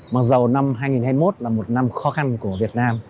mặc dù năm hai nghìn hai mươi một là một năm khó khăn của việt nam